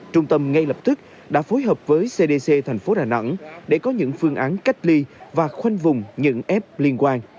trung tâm ngay lập tức đã phối hợp với cdc tp hcm để có những phương án cách ly và khoanh vùng những ép liên quan